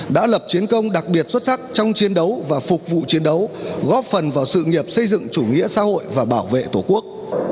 đã lập chiến công đặc biệt xuất sắc trong chiến đấu và phục vụ chiến đấu góp phần vào sự nghiệp xây dựng chủ nghĩa xã hội và bảo vệ tổ quốc